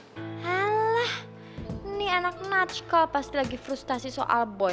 alah ini anak natch call pasti lagi frustasi soal boy